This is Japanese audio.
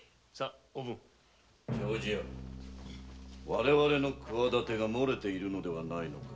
我らの企てが漏れているのではないか？